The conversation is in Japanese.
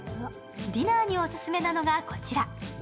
ディナーにオススメなのがこちら。